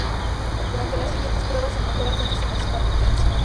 Durante las siguientes pruebas, el motor alcanzó su máxima potencia.